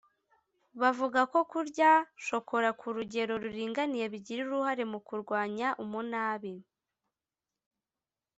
Bavuga ko kurya shokora ku rugero ruringaniye bigira uruhare mu kurwanya umunabi